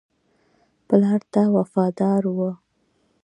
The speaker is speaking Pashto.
پلار ته وفادار وو.